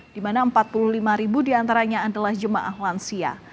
di mana empat puluh lima ribu diantaranya adalah jemaah lansia